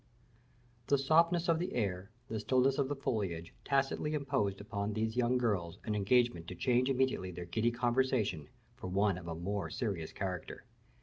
The softness of the air, the stillness of the foliage, tacitly imposed upon these young girls an engagement to change immediately their giddy conversation for one of a more serious character.